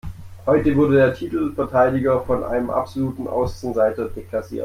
Heute wurde der Titelverteidiger von einem absoluten Außenseiter deklassiert.